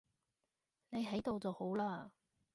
你喺度就好喇